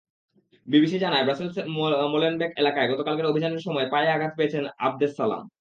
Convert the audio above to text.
BBC জানায়, ব্রাসেলসের Molenbeek এলাকায় গতকালের অভিযানের সময় পায়ে আঘাত পেয়েছেন আবদেসালাম।